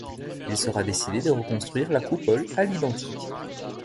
Il sera décidé de reconstruire la coupole à l'identique.